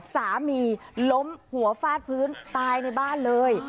ล้มหัวฟาดพื้นตายในบ้านเลย